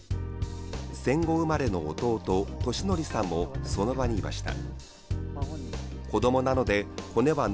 戦後生まれの弟・敏則さんもその場にいました。